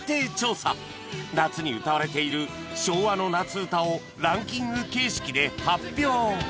夏に歌われている昭和の夏うたをランキング形式で発表